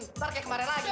nanti seperti kemarin lagi